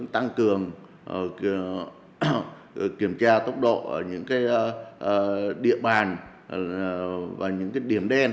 tăng cường kiểm tra tốc độ ở những địa bàn và những điểm đen